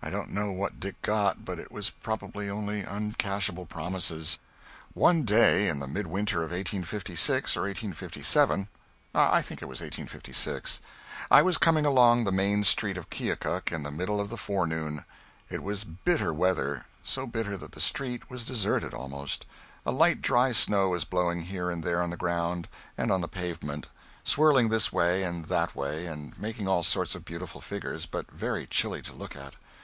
I don't know what Dick got, but it was probably only uncashable promises. [Sidenote: (1856.)] One day in the midwinter of 1856 or 1857 I think it was 1856 I was coming along the main street of Keokuk in the middle of the forenoon. It was bitter weather so bitter that that street was deserted, almost. A light dry snow was blowing here and there on the ground and on the pavement, swirling this way and that way and making all sorts of beautiful figures, but very chilly to look at.